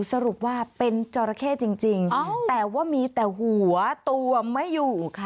สรุปว่าเป็นจราเข้จริงแต่ว่ามีแต่หัวตัวไม่อยู่ค่ะ